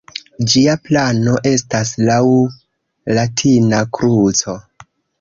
Ĝia plano estas laŭ latina kruco.